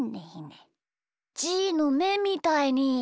じーのめみたいに。